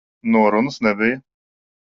Norunas nebija.